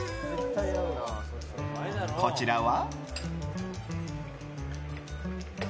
こちらは。